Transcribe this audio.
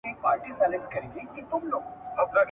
تصور کولای سوای !.